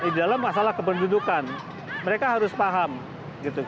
di dalam masalah kependudukan mereka harus paham gitu